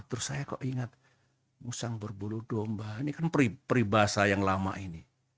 terus saya kok ingat musang berburu domba ini kan peribahasa yang lama ini